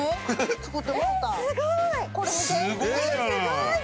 すごい！